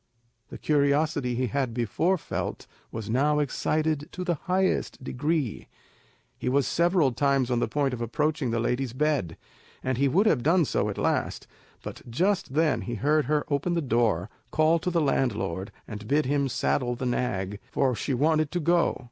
The curiosity he had before felt was now excited to the highest degree: he was several times on the point of approaching the lady's bed; and he would have done so at last, but just then he heard her open the door, call to the landlord, and bid him saddle the nag, for she wanted to go.